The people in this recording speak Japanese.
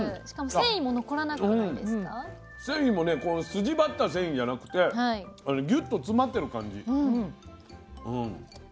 繊維もね筋張った繊維じゃなくてぎゅっと詰まってる感じ。